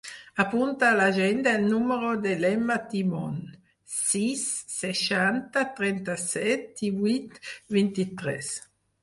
Apunta a l'agenda el número de l'Emma Timon: sis, seixanta, trenta-set, divuit, vint-i-tres.